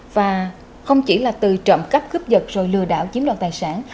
và không chỉ là từ trộm cắp cướp giật rồi lừa đảo chiếm đoạt tài sản